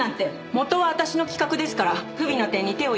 元は私の企画ですから不備な点に手を入れただけです。